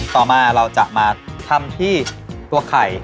ต่อมาเราจะมาทำที่ตัวไข่